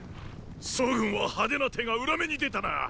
楚軍は派手な手が裏目に出たな！